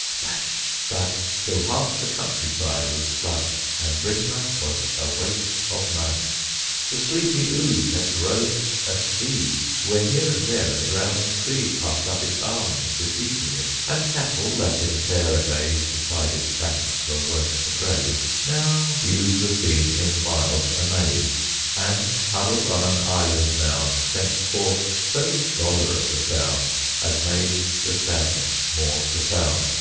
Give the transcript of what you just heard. splash! thud! Till half the country side was flood, And Ringmer was a waste of mud. The sleepy Ouse had grown a sea, Where here and there a drowning tree Cast up its arms beseechingly; And cattle that in fairer days Beside its banks were wont to graze Now viewed the scene in mild amaze, And, huddled on an island mound, Sent forth so dolorous a sound As made the sadness more profound.